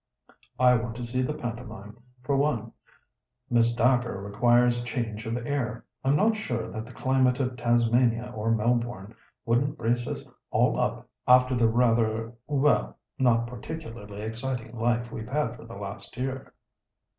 I want to see the pantomime, for one. Miss Dacre requires change of air. I'm not sure that the climate of Tasmania or Melbourne wouldn't brace us all up after the rather—well, not particularly exciting life we've had for the last year."